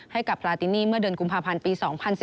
ให้กับพราตินี่เมื่อเดือนกุมภาพันธ์ปี๒๐๑๙